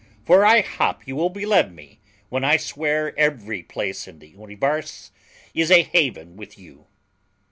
For I hop you will beleve me when I sware every place in the univarse is a haven with you.